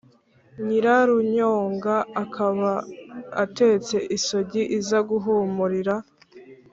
nyirarunyonga a kaba atetse isogi iza guhumurira